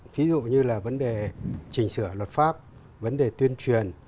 ví dụ như là vấn đề chỉnh sửa luật pháp vấn đề tuyên truyền